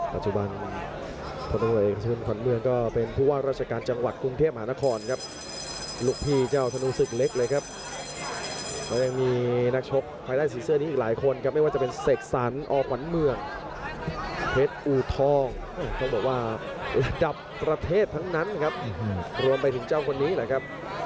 คนที่ขึ้นไปถอนครับทะนุศึกเล็กนั่นละครับก็คืออาจารย์ทองฟรครับ